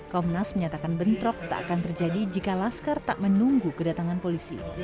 komnas menyatakan bentrok tak akan terjadi jika laskar tak menunggu kedatangan polisi